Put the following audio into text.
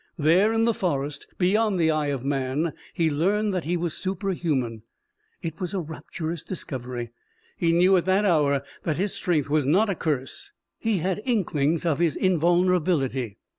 There in the forest, beyond the eye of man, he learned that he was superhuman. It was a rapturous discovery. He knew at that hour that his strength was not a curse. He had inklings of his invulnerability.